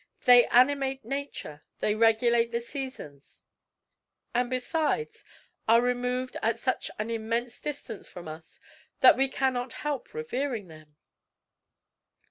They animate nature; they regulate the seasons; and, besides, are removed at such an immense distance from us that we cannot help revering them."